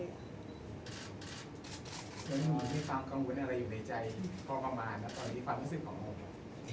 แล้วมิวมีความกังวลอะไรอยู่ในใจพร้อมประมาณนะตอนนี้ความรู้สึกของมิว